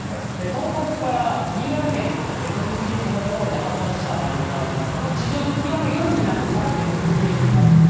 東北から新潟県、局地的にところどころで発達した雨雲がありますが、これ地上の気温が夜になって下がってくると、消えていきます。